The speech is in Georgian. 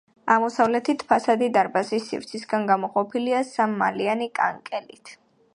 აღმოსავლეთით ფასადი დარბაზის სივრცისგან გამოყოფილია სამმალიანი კანკელით.